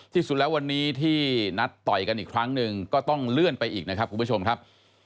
ที่สุดแล้ววันนี้ที่นัดต่อยกันอีกครั้งหนึ่งก็ต้องเลื่อนไปอีกนะครับคุณผู้ชมครับ